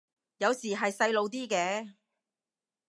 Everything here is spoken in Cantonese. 有時係細路啲嘅